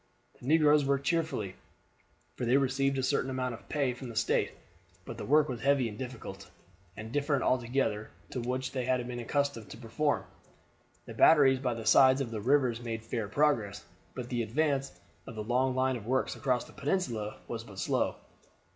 The negroes worked cheerfully, for they received a certain amount of pay from the State; but the work was heavy and difficult, and different altogether to that which they were accustomed to perform. The batteries by the sides of the rivers made fair progress, but the advance of the long line of works across the peninsula was but slow.